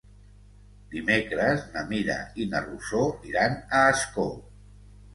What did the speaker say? Dimecres na Mira i na Rosó iran a Ascó.